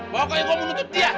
pokoknya gua mau nuntut dia